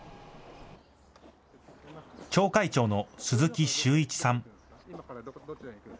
町会長の鈴木周一さん。